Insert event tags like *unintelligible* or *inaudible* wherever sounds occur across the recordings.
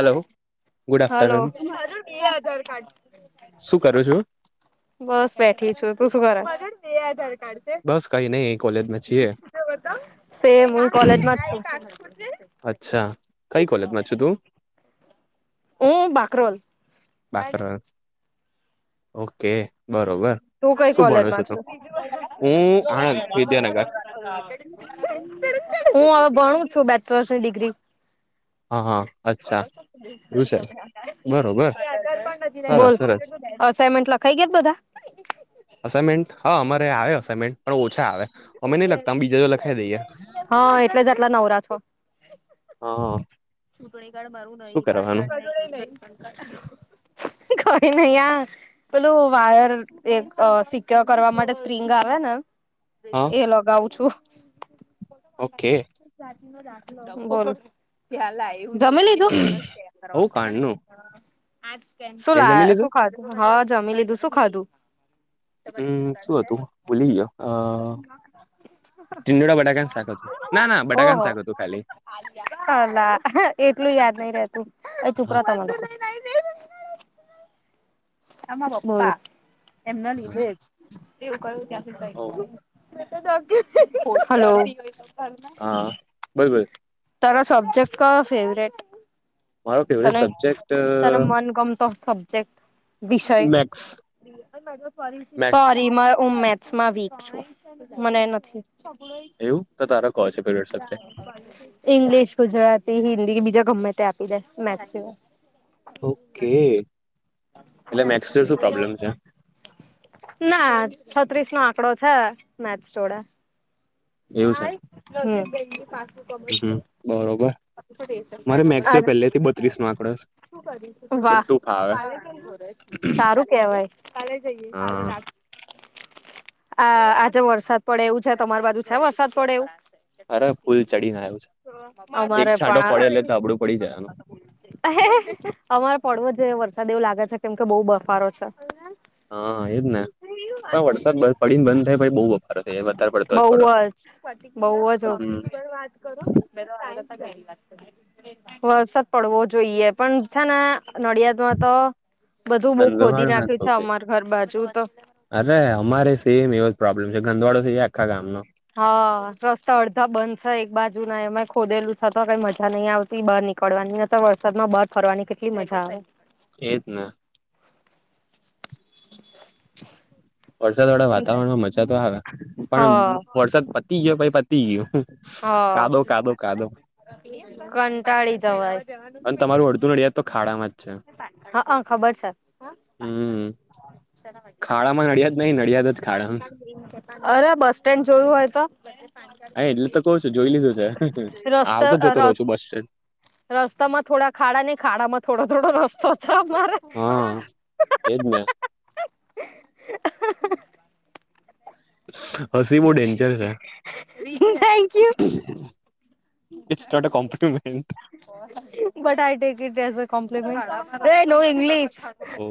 Hello good hello afternoon Aadhaar શું કરું card છું બસ બેઠી છું તું શું કર બસ કઈ નઈ કોલેજમાં છીએ મ કલેજમાં છે. અચ્છા કઈ કોલેજમાં છું તું ઓ બાકરોોલ બાકરોલ ઓકે બરોબર તું કઈ શું કોલેજ ભણો છો મા છુ તું હું આણંદ વિદ્યાનગર હું હવે ભણું છું બેચલર્સની ડિગ્રી હા હા અચ્છા એવું છે બરોબર સરસ બોલ સરસ અઇમેન્ટ લખાઈ ગયા. બધા. અમેન્ટ હા અમારે આવે અમેન્ટ પણ ઓછા આવે અમે નહી લખતા બીજા જો લખાવી દઈએ હા એટલે જ આટલા નવરાથો હા હા. ચૂંટણી કાર્ડ મારું નઈ પાન કાર્ડ્ *inaudible* કોઈ નહી આ પેલું વાયર એક સિક્યોર કરવા માટે સ્પ્રિંગ આવે્યા ને હા એ લગાવું છું. ઓકે. સાચી ન દાખલો બોલ ત્યાં લાવ જમી લીધું બોનસ કરવા હવું કાણનું માટેેને તે જમી લીધું શું ખાધું હા જમી લીધું શું ખાધું. હમ શું હતું ભૂલી ગયો. અ તીડા બટાકાાન શાક હતું ના ના બટાકાાન શાક હતું ખાલી. અ લ એટલું યાદ નઈ રહેતુ અલા ચુપ હા. રેતમે આમાં પપ્પા એમના લીધે જ એવું કયું ઓ ત્યાંથી હા બોલબોલ તાર સબ્જેક્ટ ક ફેવરેટ મારો ફેવરેટ તને સબ્જેક્ટ મન ગમતો સબ સ મેક્સ મેક્સ ઓ મેસ માં વીક. હું મને નથી. એવું તો તારો કેવું છું. ઈંગ્લિશ ગુજરાતી હિન્દી બીજા ગમે તે આપી દે મેક્સિમમ ઓકે એટલે મેક્સ શું પ્રોબ્લેમ છે. ના છત્રીસ નો આંકડો છે મેચ જોડે એવું છે. હા પા. હમ્મ બરોબર તો રેશન મારે કાર્ડ મેક્સ વગર જો પહેલેથી બત્રીસ નયચલાવે નો આંકડો છે. હ કા બધું ફાવે સારું કેવાય કાલે જઈએ કા હા રા આ આજે વરસાદ પડે એવું છે તમારી બાજુ છે વરસાદ પડે એવું અરે ફૂલ ચડીને આવ્યું છે એક છાંટો પડે એટલે ધાબડું પડી જવાનું અમારા પડવો જે વરસાદ એવું લાગે છે કેમ કે બહ બફારો છે. હા એજ ને પણ વરસાદ પડીને બંધ થાયાઈ બવ બઉ જ બઉ જ હમ્મ વાત કરો. વરસાદ પડવો જોઈએ પણ છે નડિયાદ માં તો બધું બહ ખોદી ગંદવાળો ના નાખ્યું થવું છે જોઈએ અમાર ઘર બાજુ તો અરે અમારે સેમ એવો જ પ્રોબ્લેમ છે ગંદવાડો છે આખા ગામ નો. હા રસ્તા અડધા બંધ છે એક બાજુ ના એમાં ખોદેલું છતા તો કઈ મજા નહી આવતી. બહાર નીકળવાની અતારે વરસાદમાં બાર ફરવાની કેટલી મજા આવે. એ જ ને. વરસાદ વાળા વાતાવરણમાં મજા તો આવે પણ આવે વરસાદ પતી ગયો પઈ પતી ગ્યો. હ કંટાળી જવય. અને તમારું અડદું નડિયઆદ તો ખાડામાં જ છે હંક ર ખબર છે. હમ ખાડામાં નડિયાદ નહી નડિયાદ જ ખાડામાં છ. અરે બસ સ્ટેન્ડ જોયું હોય તો. હા એટલે તો કહુ છું જોઈ લીધું છે આવતો જોતો રહો છું બસ સ્ટેન્ડ. રસ્તા માં થોડા ખાડા ને ખાડામાં થોડો થોડો રસ્તો છે અમારે. *inaudible* હા એજ ને હસી બહ ડેનજર છે. Thank you it's not a compliment but I take it as a કોમ્પ એ નો ઇંગ્લીશ. ઓ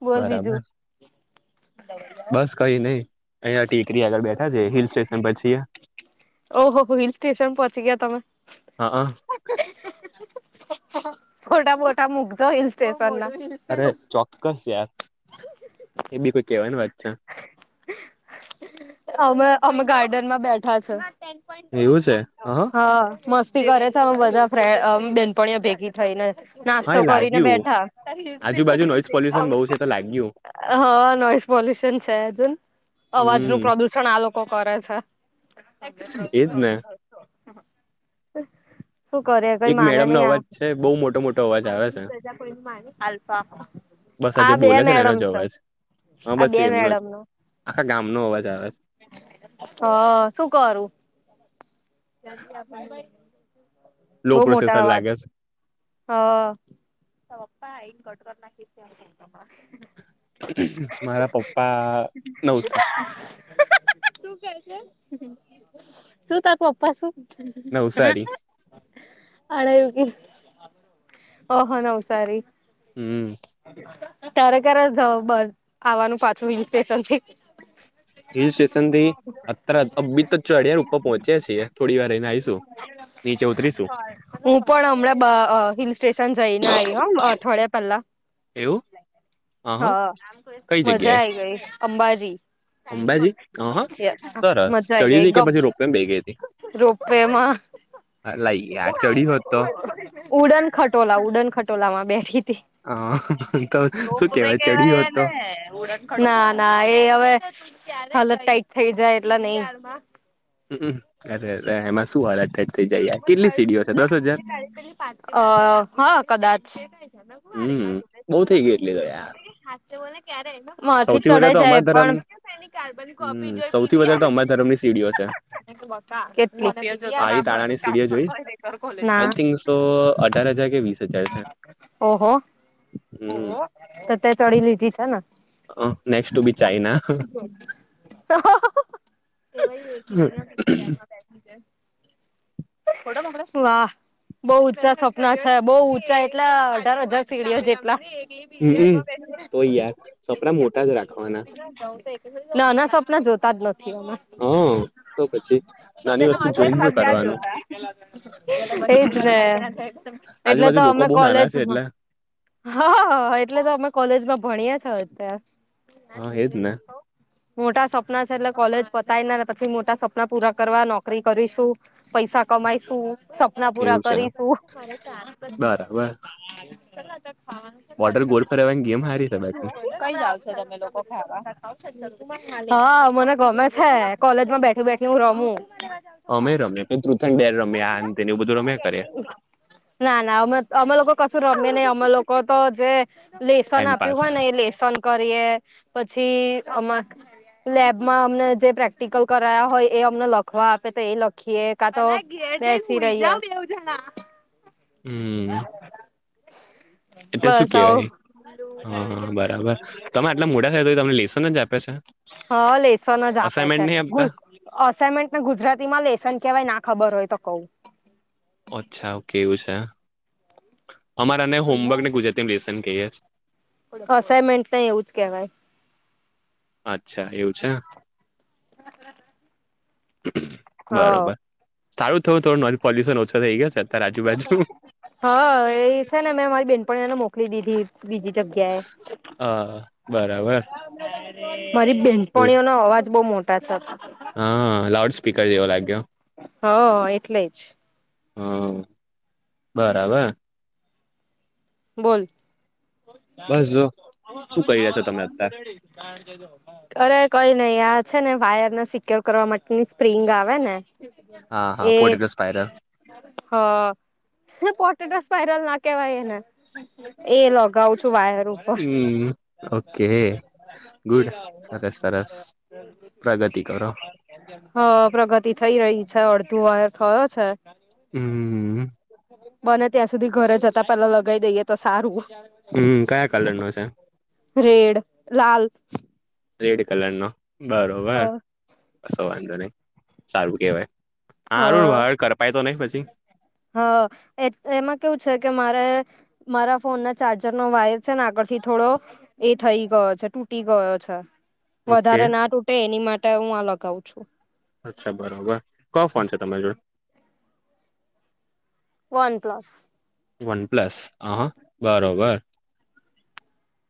બોલ બરાબર બીજું. *inaudible* *inaudible* *inaudible* બસ કઈ નઈ અહિયા ટીકરી આગળ બેઠા છે હિલ સ્ટેશન પર છીએ. ઓહ હો હિલ સ્ટેશન પહોંચી ગ્યા તમે. હા થોટા ફોટો મુકજો હિલ સ્ટેશન ના. અરે ચોક્કસ યાર એ બી કોઈ કેવાની વાત છે. અમે અમે ગાર્ડનમાં બેઠા છે એવું છે હ *unintelligible* હા મસ્તી કરે છે અમે બધા ફ્રેન્ડ અ બેનપણીઓ ભેગી થઈને હા નાસ્તો એ કરીને લાગ્યું બેઠા આજુબાજુ નોઈસ પોલ્યુશન બહુ છે તો લાગ્યું હા નોઈઝ પોલીશ જ અવાજ હમ નું પ્રદુષણ આ લોકો કરે છે. એજ ને *unintelligible* શું કરે કઈ એક માને મેડમનો નહી આ અવાજ છે બહુ મોટો મોટો અવાજ આવે છે બસ આ આજે બે બોલે છે ને એનો મેડમ જ અવાજ હા આ બસ બે એમનો જ મેડમ નું આખા ગામનો અવાજ આવેછે હ શું કરું? લો બહુ મોટા પ્રોસેસર લાગે અવાજ છે હા *unintelligible* *unintelligible* મારા પપ્પા નવસા હા શું કે છે શું ત તું પપ્પા શું *inaudible* નવસારી *unintelligible* હડ ગી ઓહો નવસારી હમ્મમ. તારે ક્યારે જાવ બસ આવાનું પાછું હિલ સ્ટેશન થી હિલ સ્ટેશન થી અતરત અ બી તો ચડિાર ઉપર પહોંચ્યા છીએ થોડી વાર એ આવીશું. નીચે ઉતરીશું હું પણ હમણાં હિલ સ્ટેશન જઈને આવીઈ હમ અઠવાડિયા પહેલા. એવું? હા કઈ મજા જગ્યાએ આઈ ગઈ અંબાજી મજા અંબાજી હ હા સરસ ચડી આઈગઈ હતી કે ગમ, પછી રોપવેમાં બેઈ ગઈ હતી રોપવેમાં *unintelligible* હોત તો ઉડન ખટોલા ઉડન ખટોલા માં બેઠી હતી. હ તો શું રોપવે કેવાય ચડ્યો કેવાયે હતો ને *unintelligible* ના ના એ હવે હાલત ટાઈટ થઈ જાય એટલા નઈ. હમ અરે અરે એમાં શું હાલત ટાઇટ થઇ જાય કેટલી સીડીઓ છે દસ હજાર *unintelligible* અ હા કદાચ *unintelligible* હમ બઉુ થઈ ગઈ એટલી તો યાર *unintelligible* માંથી સૌથી વધારે તો ચડાઈ જાય અમારા ધરમ હમ સૌથી વધારે તો અમારા ધરમની સીડીઓ છે પારી તાણાની પણ *inaudible* સીડીઓ જોઈ આઈ થિંક સો અઢાર હજાર કે વીસ હજાર છે ઓહો હમ તે તો ચડી લીધી છે ને હ નેક્સ્ટ ટુ બી ચાઈના *unintelligible* *unintelligible* વા બહુ ઊંચા સપના છે બઉ ઊંચા એટલે અઢાર હજાર સીડીઓ જેટલા હમ તો યાર સપના મોટા જ રાખવાના નાના સ્વપ્ના જોતા જ નથી અમે. હ તો પછી નાની વસ્તુ જોઈને શું કરવાનું *unintelligible* એજ ને એટલે આજુબાજુ તો લોકો અમે બહુ નાના છે કોલેજમાં એટલે હા હા એટલે તો અમે કોલેજમાં ભણીએ છે હા એજ ને મોટા સપના છે એટલે કોલેજ પતાય પછી મોટા સપના પૂરા કરવા નોકરી કરીશું પૈસા કમાઈશું સપના પૂરા એવું છે કરીશું. બરાબર વોટર્ર ગોલ ફેરવાની ગેમ હારી તમારી કઈ આવ છો તમે લોકો ખાવા હા મને ગમે છે કોલેજમાં બેઠી બેઠી હું રમું. ટ્રૂથ એન્ડ ડેર રમ્યા આન તેને એવુ બધું રમ્યા કરે. ના ના અમે અમે લોકો કશું રમે નહી અમલો લોકો તો જે લેસન આપ્યું ટાઈમપાસ હોય ને એ લેસન કરીએ પછી આમાં લેબમાં અમને જે પ્રેક્ટિકલ કરાયા હોય એ અમને લખવા આપે તો એ લખીએ. કા તો બેસી રહીએ. હમ. *inaudible* એલે શું બસ કેવાય આવું હા બરાબર તમે આટલા મોટા થાય તો તમને લેસન જ આપ હા લેસન જ આપે છે. નહીં આપતા અસાઇનમેન્ટને ગુજરાતી માં લેેશન કેવાય ના ખબર હોય તો કવું. અચ્છા ઓકે એવું છે. અમારાને હોમવર્કને ગુજરાતીમાં લેસન કહીએ. અસાઇનમેન્ટ ને એવું જ કેવાય અચ્છા એવું છે. બરોબર હ સારું થયું થોડું નોન પોલ્યુશન ઓછો થઇ ગયો. છે અત્યારે આજુબાજુ હા એ છે ને મેં મારી બેનપનીઓને મોકલી દીધી બીજી જગ્યા એ હા બરાબર મારી બેનપણીઓનો અવાજ બહ મોટા છે. હા લાઉડ સ્પીકર જેવો લાગ્યો હા એટલે જ. હા બરાબર. બોલ? બસ જો શું કરી રહ્યા છો તમે અત્યારે અરે કઈ નઈ આ છે ને વાયરને સિક્યોર કરવા માટેની સ્પ્રિંગ આવે ને હા હા એ પોર્ટ સ્પાયરલ હ પોટેટ સ્પરલ ના કેવાય એને એ લગાવું છું વાયર ઉપર. *inaudible* હમ ઓકે ગુડ સરસ સરસ પ્રગતિ કરો હ પ્રગતિ થઈ રહી છે અડધો વાયર થયો છે. હમ. બને ત્યાં સુધી ઘરે જતા પેલા લગાવી દઈએ તો સારું. હમ કયા કલર નો છે? રેડ લાલ. રેડ કલર નો હ બરોબર. કસો વાંધો નહી સારું કેવાય હ હારું કરપાય તો નહી પછી. હ એમાં કેવું છે કે મારે- - મારા ફોનનો ચાર્જરનો વાયર છે ને આગળથી થોડો- - એ થઇ ગયો છે તૂટી ગયો છે. ઓકે વધારે ના તૂટે એની માટે હું આ લગાવું છું. અચ્છા બરાબર કયો ફોન છે તમારી જોડે? OnePlus. વન પ્લસ અ હ બરોબર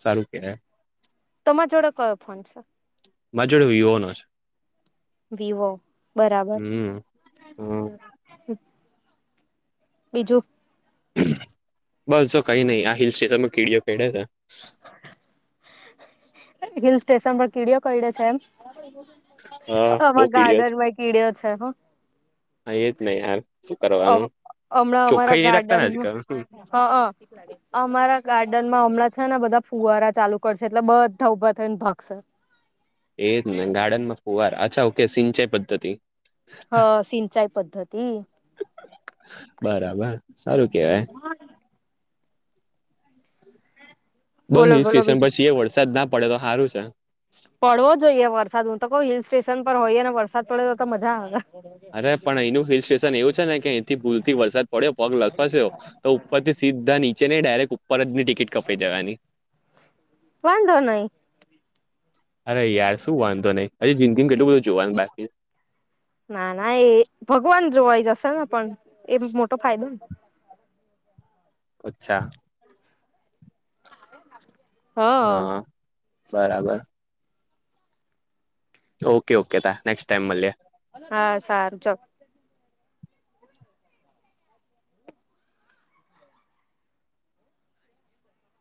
સારું કેવાય તમા જોડે કયો ફોન છે? મારી જોડે વિવો નો છે. વિવો બરાબર. હમ હમ બીજું? બસ જો કઈ નહી આ હિલ સ્ટેશનમાં કીડીઓ કેડ્યા હતા. હિલ સ્ટેશન પર કીડીઓ કરડે છે એમ? હા બઉ આમાં કીડીયો છે ગાર્ડનમાં કીડયો છે હા હા એ જ ને યાર. શું કરવાનું અમે અમારા ચોખ્ખાઈ નહી રાખતા ને આજકાલ ગાર્ડનમા હા હા અમારા ગાર્ડનમાં હમણાં છે ને બધા ફુવારા ચાલુ કરશે એટલે બધા ઊભા થઈ ને ભાગશે એજ ને ગાર્ડન માં ફુવાર અચ્છા ઓકે સિંચાઈ પદ્ધતિ હ સિંચાઈ પદ્ધતિ બરાબર સારું કેવાય બસ બોલો હિલ બોલો સ્ટેશન બીજું પછી વરસાદ ના પડે તો હારું છે પડવો જોઈએ વરસાદ હું તો કહું હિલ સ્ટેશન પર હોઈએ ને વરસાદ પડે તો મજા આવે અરે પણ એનું હિલ સ્ટેશન એવું છે ને કે અયથી ભૂલથી વરસાદ પડ્યો પગ લગપસ્યો તો ઉપર થી સીધા નીચે નહી ડાયરેક્ટ ઉપર જની ટિકિટ કપાઈ જવાની વાંધો નહી અરે યાર શું વાંધો નહી હજી જિંદગીમા કેટલું બધું જોવાનું બાકી ના ના એ ભગવાન જોવાઈ જશે ને પણ એમ મોટો ફાયદો ને અચ્છા *inaudible* હા બરાબર ઓકે ઓકે તા નેક્સ્ટ ટાઈમ મલ્યે હા સારું ચ